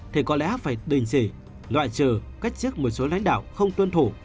thì có lẽ phải đình chỉ loại trừ cách trước một số lãnh đạo không tuân thủ